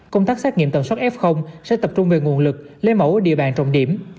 công tác xác nghiệm tầm soát f sẽ tập trung về nguồn lực lê mẫu ở địa bàn trọng điểm